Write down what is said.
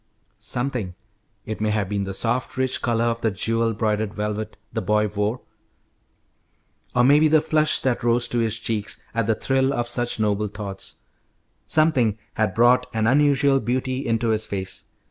Something, it may have been the soft, rich colour of the jewel broidered velvet the boy wore, or maybe the flush that rose to his cheeks at the thrill of such noble thoughts, something had brought an unusual beauty into his face.